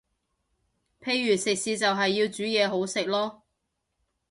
譬如食肆就係要煮嘢好食囉